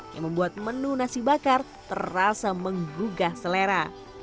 yang membuat menu nasi bakar terasa menggugah selera